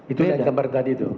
itu yang gambar tadi itu